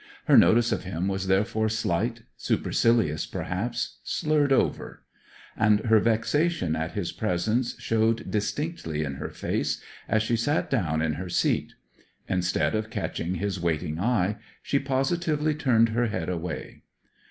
Her notice of him was therefore slight, supercilious perhaps, slurred over; and her vexation at his presence showed distinctly in her face as she sat down in her seat. Instead of catching his waiting eye, she positively turned her head away.